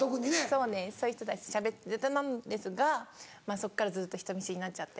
そうですそういう人たちなんですがそこからずっと人見知りになっちゃって。